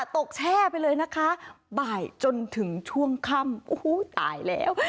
แช่ไปเลยนะคะบ่ายจนถึงช่วงค่ำโอ้โหตายแล้ว